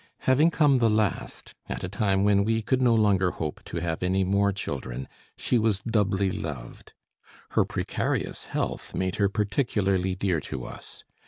Having come the last, at a time when we could no longer hope to have any more children, she was doubly loved. Her precarious health made her particularly dear to us.